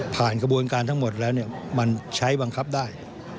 กระบวนการทั้งหมดแล้วมันใช้บังคับได้